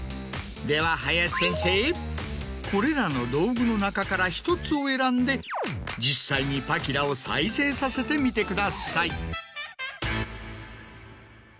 では林先生これらの道具の中から１つを選んで実際にパキラを再生させてみてください。